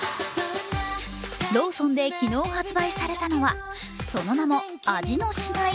ローソンで昨日発売されたのはその名も味のしない？